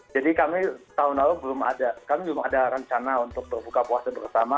jadi kami tahun lalu belum ada rencana untuk berbuka puasa bersama